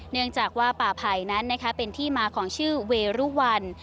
เนื่องจากว่าป่าไผ่นั้นเป็นที่มาของชื่อเวรุวัน